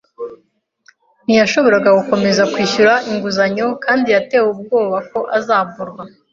ntiyashoboraga gukomeza kwishyura inguzanyo kandi yatewe ubwoba ko azamburwa.